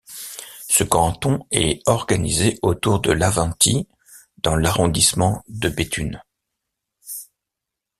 Ce canton est organisé autour de Laventie dans l'arrondissement de Béthune.